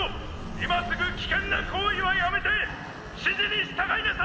今すぐ危険な行為はやめて指示に従いなさい！